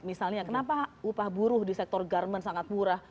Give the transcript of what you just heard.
misalnya kenapa upah buruh di sektor garmen sangat murah